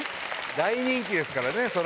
大人気ですからね。